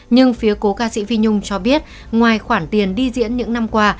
nhưng phía cô ca sĩ phi nhung cho biết ngoài khoản tiền đi diễn những năm qua